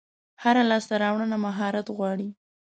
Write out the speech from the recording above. هره لاسته راوړنه مهارت غواړي.